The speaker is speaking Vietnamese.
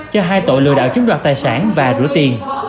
cho hai tội lừa đảo chiếm đoạt tài sản và rửa tiền